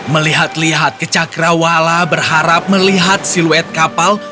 melihat lihat ke cakra wala berharap melihat siluet kapal